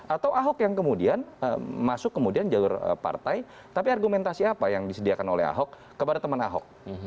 atau ahok yang kemudian masuk kemudian jalur partai tapi argumentasi apa yang disediakan oleh ahok kepada teman ahok